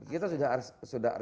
kita tahun depan